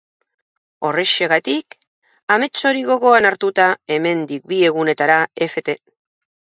Horrexegatik, amets hori gogoan hartuta, hemendik bi egunera Ft.